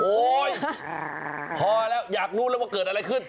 พอแล้วอยากรู้แล้วว่าเกิดอะไรขึ้น